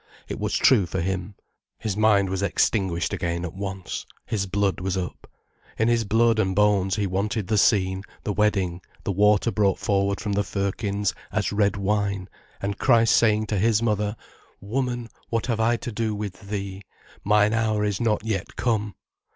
It was true for him. His mind was extinguished again at once, his blood was up. In his blood and bones, he wanted the scene, the wedding, the water brought forward from the firkins as red wine: and Christ saying to His mother: "Woman, what have I to do with thee?—mine hour is not yet come."